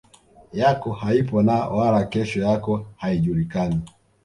yako haipo na wala kesho yako haijulikani